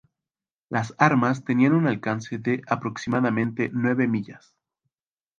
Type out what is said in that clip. Las armas tenían un alcance de aproximadamente nueve millas.